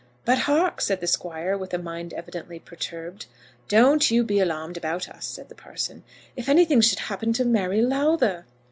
"But, hark!" said the Squire, with a mind evidently perturbed. "Don't you be alarmed about us," said the parson. "If anything should happen to Mary Lowther!"